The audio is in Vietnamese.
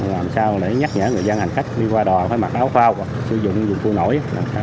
làm sao để nhắc nhở người dân hành khách đi qua đò phải mặc áo phao sử dụng dùng khu nổi